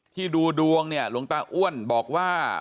ดูดวงเนี่ยหลวงตาอ้วนบอกว่า